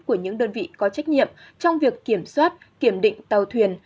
của những đơn vị có trách nhiệm trong việc kiểm soát kiểm định tàu thuyền